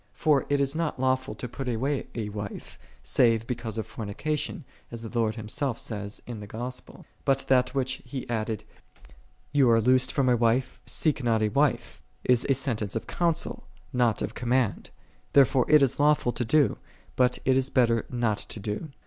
For it is not lawful to put away a wife, save because of fornication,6 as the Lord Himself saith in the Gospel. But that, which he added, " Thou art loosed from a wife, seek not a wife," is a sentence of counsel, not of command; there fore it is lawful to do, but it is better not to do.